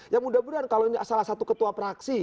ya mudah mudahan kalau salah satu ketua praksi